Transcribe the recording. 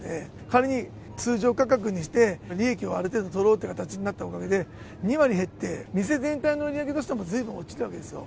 仮に通常価格にして利益をある程度取ろうという形になったおかげで２割減って店全体の売り上げとしてもずいぶん落ちるわけですよ。